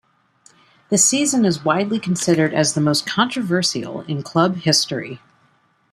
The season is widely considered as the most controversial in club history.